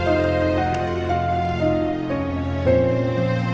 kau mau ngapain